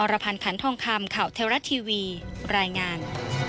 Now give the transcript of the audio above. รพันธ์ขันทองคำข่าวเทวรัฐทีวีรายงาน